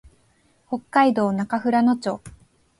北海道中富良野町